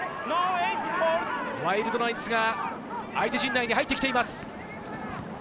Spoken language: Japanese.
ワイルドナイツが相手陣内に入ってきています。